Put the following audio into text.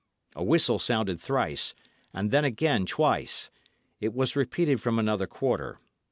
A whistle sounded thrice, and then again twice. It was repeated from another quarter.